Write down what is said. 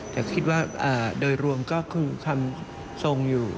แต่คิดว่าโดยรวมก็คงทำทรงอยู่